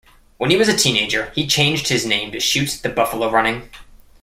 When he was a teenager, he changed his name to Shoots the Buffalo Running.